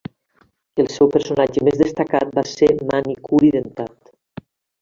El seu personatge més destacat va ser Mani Curi Dentat.